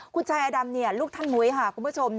คุณชายอดำลูกท่านมุ้ยค่ะคุณผู้ชม